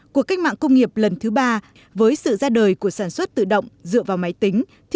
cuộc cách mạng công nghiệp lần thứ ba với sự ra đời của sản xuất tự động dựa vào máy tính